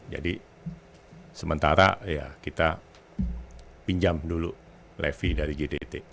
jadi sementara ya kita pinjam dulu levi dari gdt